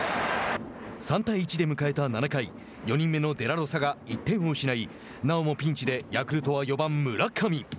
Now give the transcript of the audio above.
３対１で迎えた７回４人目のデラロサが１点を失いなおもピンチでヤクルトは４番、村上。